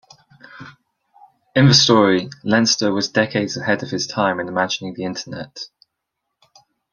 In the story, Leinster was decades ahead of his time in imagining the Internet.